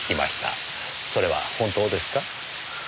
それは本当ですか？